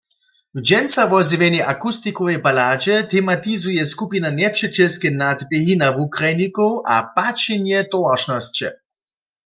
W dźensa wozjewjenej akustikowej baladźe tematizuje skupina njepřećelske nadběhi na wukrajnikow a pačenje towaršnosće.